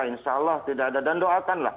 insya allah tidak ada